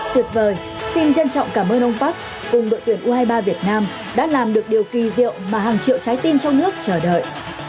tuyệt vời xin trân trọng cảm ơn ông park cùng đội tuyển u hai mươi ba việt nam đã làm được điều kỳ diệu mà hàng triệu trái tim trong nước chờ đợi